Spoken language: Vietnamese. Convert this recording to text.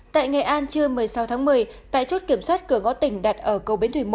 tại nghệ an trưa một mươi sáu tháng một mươi tại chốt kiểm soát cửa ngõ tỉnh đặt ở cầu bến thủy một